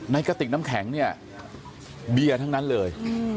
กระติกน้ำแข็งเนี่ยเบียร์ทั้งนั้นเลย